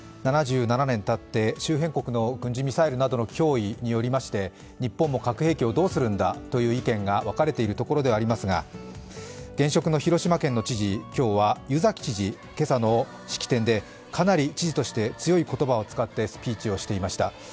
７７年たって周辺国の軍事ミサイルなどの脅威によりまして日本も核兵器をどうするんだという意見が分かれているところではありますが、現職の広島県の知事、今日は湯崎知事、今朝の式典でかなり知事として強い言葉を使ってスピーチをしていました。